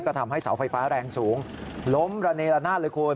ก็ทำให้เสาไฟฟ้าแรงสูงล้มระเนละนาดเลยคุณ